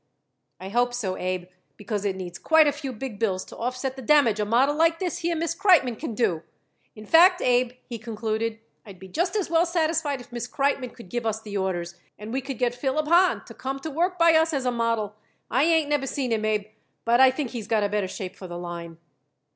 "I hope so, Abe, because it needs quite a few big bills to offset the damage a model like this here Miss Kreitmann can do. In fact, Abe," he concluded, "I'd be just as well satisfied if Miss Kreitmann could give us the orders, and we could get Philip Hahn to come to work by us as a model. I ain't never seen him, Abe, but I think he's got a better shape for the line."